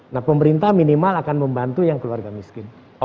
nah pemerintah minimal akan membantu yang keluarga miskin